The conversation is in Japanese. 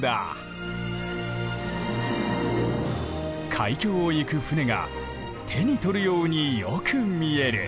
海峡を行く船が手に取るようによく見える。